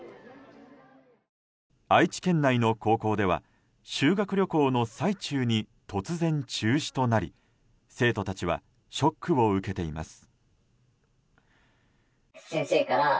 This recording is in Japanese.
愛知県内の高校では修学旅行の最中に突然中止となり生徒たちはショックを受けています。